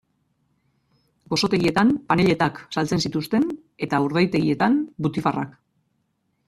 Gozotegietan panelletak saltzen zituzten eta urdaitegietan butifarrak.